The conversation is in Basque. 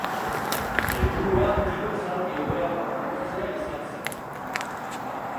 Helburua tiro-zaldi hobeagoak lortzea izan zen.